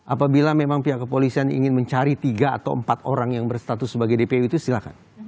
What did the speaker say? apabila memang pihak kepolisian ingin mencari tiga atau empat orang yang berstatus sebagai dpu itu silahkan